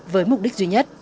với mục đích duy nhất